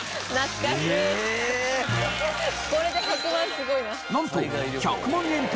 これで１００万円すごいな。